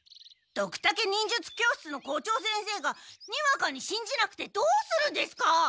ドクタケ忍術教室の校長先生がにわかにしんじなくてどうするんですか？